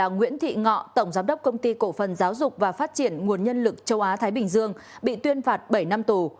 nguyễn thị ngọ tổng giám đốc công ty cổ phần giáo dục và phát triển nguồn nhân lực châu á thái bình dương bị tuyên phạt bảy năm tù